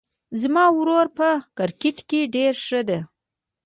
زما ورور په کرکټ کې ډېر ښه ده